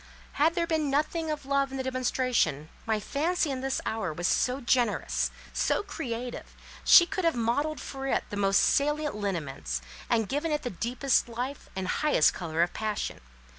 Had there been nothing of love in the demonstration, my Fancy in this hour was so generous, so creative, she could have modelled for it the most salient lineaments, and given it the deepest life and highest colour of passion.